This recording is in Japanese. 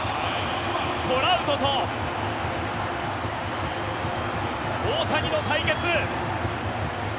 トラウトと大谷の対決。